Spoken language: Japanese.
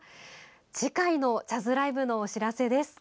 次回のジャズライブのお知らせです。